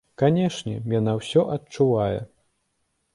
Канешне, яна ўсё адчувае.